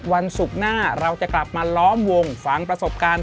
วันศุกร์หน้าเราจะกลับมาล้อมวงฝังประสบการณ์